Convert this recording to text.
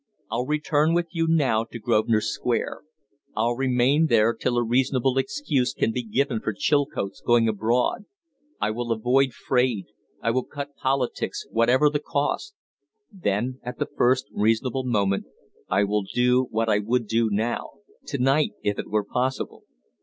"I'll return with you now to Grosvenor Square; I'll remain there till a reasonable excuse can be given for Chilcote's going abroad; I will avoid Fraide, I will cut politics whatever the cost; then, at the first reasonable moment, I will do what I would do now, to night if it were possible.